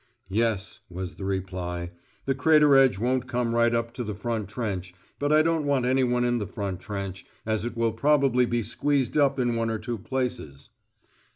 "Yes," was the reply, "the crater edge won't come right up to the front trench, but I don't want anyone in the front trench, as it will probably be squeezed up in one or two places."